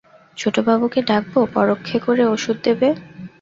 ছোটবাবুকে ডাকব পরক্ষে করে ওষুধ দেবে?